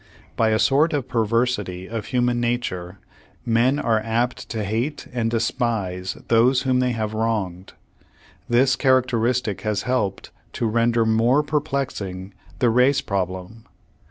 By a sort of perversity of human nature, men are apt to hate and despise those whom they have wronged. This characteristic has helped to ren der more perplexing the race problem